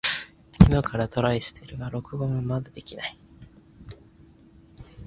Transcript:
昨日からトライしているが録音がまだできない。